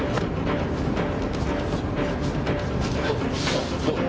あどうも。